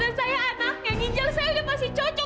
dan saya anak yang ginjal saya udah masih cocok